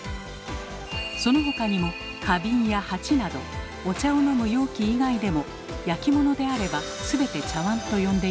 その他にも花瓶や鉢などお茶を飲む容器以外でも焼き物であればすべて「茶わん」と呼んでいたのです。